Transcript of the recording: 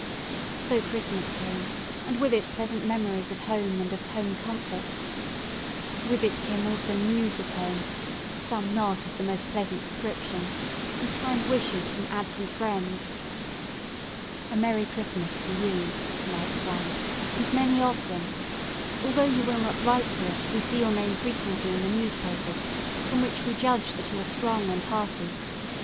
So Christmas came, and with it pleasant memories of home and of home comforts. With it came also news of home some not of the most pleasant description and kind wishes from absent friends. "A merry Christmas to you," writes one, "and many of them. Although you will not write to us, we see your name frequently in the newspapers, from which we judge that you are strong and hearty.